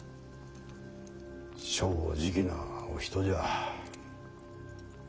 正直なお人じゃ。